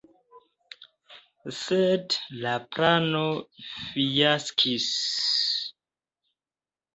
Sed la plano fiaskis.